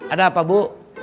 ada apa bu